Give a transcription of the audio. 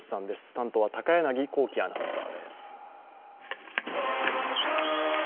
担当は、高柳光希アナウンサーです。